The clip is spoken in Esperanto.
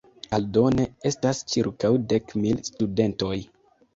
Aldone estas ĉirkaŭ dek mil studentoj.